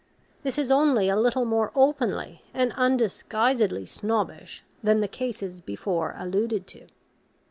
This is only a little more openly and undisguisedly snobbish than the cases before alluded to.